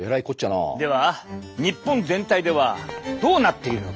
では日本全体ではどうなっているのか。